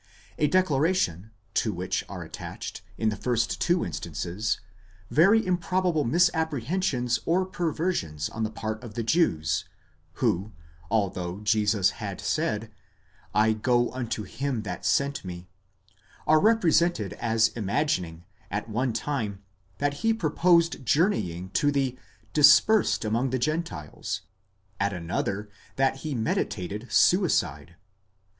a declaration, to which are attached, in the first two instances, very improbable misapprehensions or perversions on the part of the Jews, who, although Jesus had said, 7 go unto him that sent me, are represented as imagining, at one time, that he purposed journeying to the dispersed among the Gentiles, at another, that he meditated suicide.